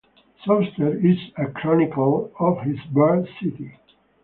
Souster is a chronicler of his birth city.